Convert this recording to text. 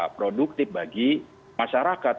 produktif bagi masyarakat